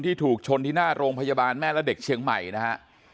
ถูกชนที่หน้าโรงพยาบาลแม่และเด็กเชียงใหม่นะฮะ